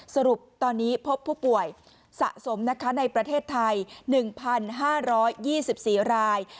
สรุปตอนนี้พบผู้ป่วยสะสมนะคะในประเทศไทย๑๕๒๔ราย